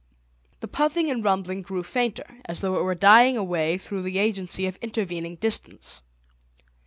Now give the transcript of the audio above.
The puffing and rumbling grew fainter, as though it were dying away through the agency of intervening distance.